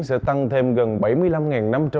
sẽ tăng thêm gần bảy mươi năm năm cho